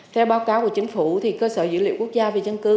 theo báo cáo của chính phủ cơ sở dữ liệu quốc gia về dân cư